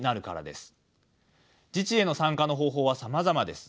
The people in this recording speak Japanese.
自治への参加の方法はさまざまです。